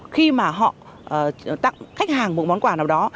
khi mà họ tặng khách hàng một món quà nào đó